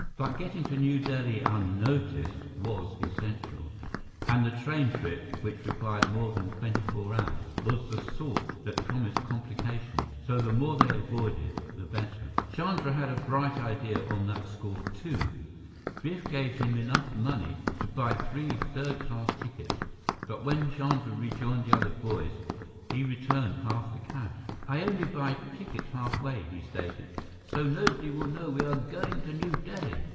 But getting to New Delhi unnoticed was essential, and the train trip, which required more than twenty four hours, was the sort that promised complications, so the more they avoided, the better. Chandra had a bright idea on that score, too. Biff gave him enough money to buy three third class tickets, but when Chandra rejoined the other boys, he returned half the cash. "I only buy tickets halfway," he stated, "so nobody will know we are going to New Delhi.